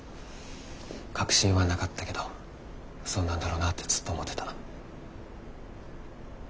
確信はなかったけどそうなんだろうなってずっと思ってた。